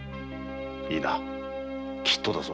いいなきっとだぞ。